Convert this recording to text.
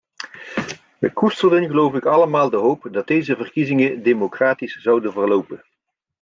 We koesterden geloof ik allemaal de hoop dat deze verkiezingen democratisch zouden verlopen.